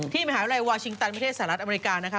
มหาวิทยาลัยวาชิงตันประเทศสหรัฐอเมริกานะคะ